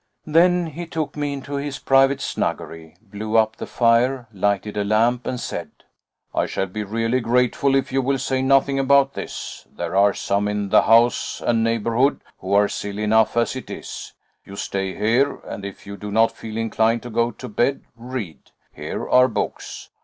Then he took me into his private snuggery, blew up the fire, lighted a lamp, and said: "I shall be really grateful if you will say nothing about this. There are some in the house and neighbourhood who are silly enough as it is. You stay here, and if you do not feel inclined to go to bed, read here are books.